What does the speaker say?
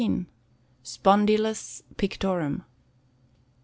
Spondylus Pictorum.